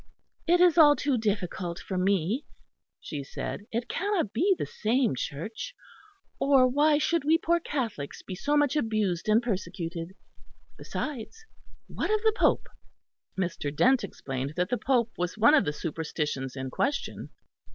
"It is all too difficult for me," she said. "It cannot be the same Church, or why should we poor Catholics be so much abused and persecuted? Besides, what of the Pope?" Mr. Dent explained that the Pope was one of the superstitions in question.